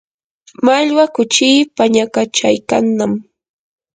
mallwa kuchii pañakachaykannam